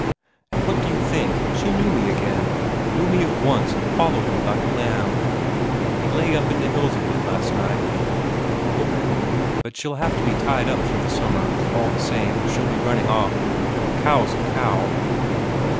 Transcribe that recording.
"And what do you think, she knew me again; knew me at once, and followed me like a lamb. We lay up in the hills a bit last night." "Ho?" "But she'll have to be tied up through the summer, all the same, or she'll be running off. A cow's a cow."